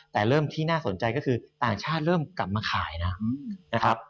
แต่เริ่มที่น่าสนใจก็คือต่างชาติเริ่มกลับมาขายนะครับ